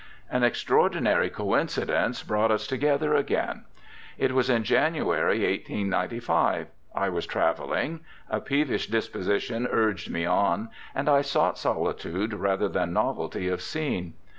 An extraordinary coincidence brought us together again. It was in January, 1895. I was travelling. A peevish disposition urged me on, and I sought solitude rather than novelty of scene.